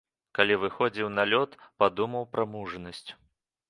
Калі выходзіў на лёд, падумаў пра мужнасць.